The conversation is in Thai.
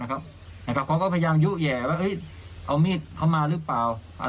เขาก็พยายามยุแห่ว่าเอามีดเข้ามาหรือเปล่า